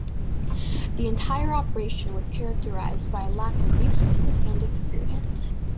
The entire operation was characterized by a lack of resources and experience.